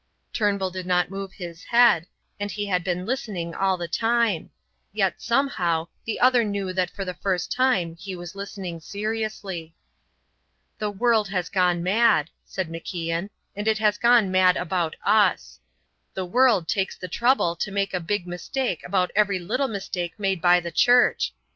Turnbull did not move his head, and he had been listening all the time; yet, somehow, the other knew that for the first time he was listening seriously. "The world has gone mad," said MacIan, "and it has gone mad about Us. The world takes the trouble to make a big mistake about every little mistake made by the Church.